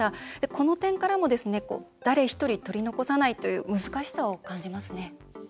この点からもですね誰一人取り残さないという難しさを感じますね。